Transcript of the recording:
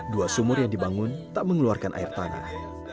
dua sumur yang dibangun tak mengeluarkan air tanah